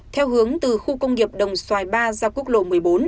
theo hướng từ khu công nghiệp đồng xoài ba ra quốc lộ một mươi bốn